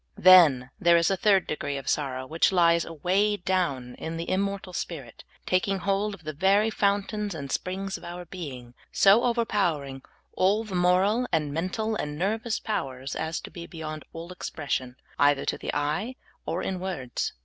Then there is a third degree of sorrow which lies away down in the immortal spirit, taking hold of the ver}^ fountains and springs of our being, so overpower ing all the moral and mental and nervous powers as to be beyond all expression, either to the ^ye or in words.